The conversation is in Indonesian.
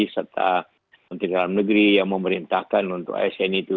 serta menteri dalam negeri yang memerintahkan untuk asn itu